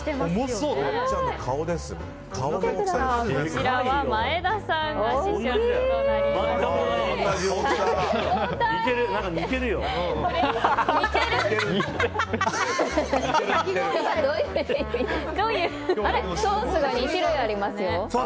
ソースが２種類ありますよ。